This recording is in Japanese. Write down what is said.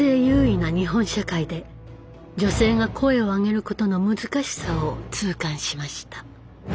優位な日本社会で女性が声を上げることの難しさを痛感しました。